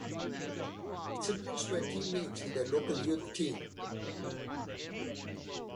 The siblings were team mates in their local youth team.